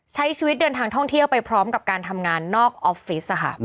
ใช้ชีวิตเดินทางท่องเที่ยวไปพร้อมกับการทำงานนอกออฟฟิศค่ะ